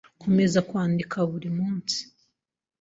Nkomeza kwandika buri munsi.